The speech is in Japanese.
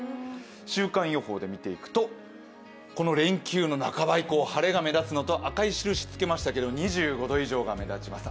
週間予報で見ていくと、この連休の半ば以降、晴れが目立つのと、赤い印つけましたけど２５度以上が目立ちます